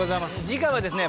次回はですね